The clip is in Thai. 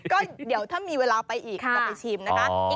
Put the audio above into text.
ก็เดี๋ยวถ้ามีเวลาไปอีกจะไปชิมนะคะ